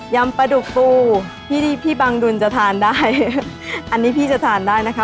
ำปลาดุกปูที่พี่บังดุลจะทานได้อันนี้พี่จะทานได้นะคะ